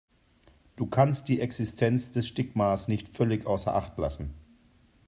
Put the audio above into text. Du kannst die Existenz des Stigmas nicht völlig außer Acht lassen.